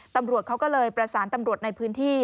ตำรวจเขาก็เลยประสานตำรวจในพื้นที่